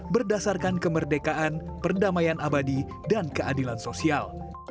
berdasarkan kemerdekaan perdamaian abadi dan keadilan sosial